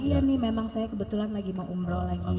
ya ini memang saya kebetulan lagi mau umroh lagi